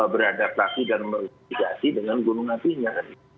beradaptasi dan merevigasi dengan gunung apinya